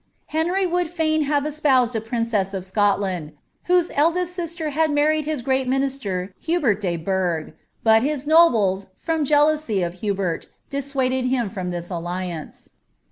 Henry would fitin have espoused a princess of Scotland, whose eldest sister had married hia great minister Hubert de Burgh ;* but his nobles, from jeal ousy of Hubiert, dissuaded him from this alliance.